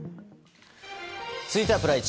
続いてはプライチ。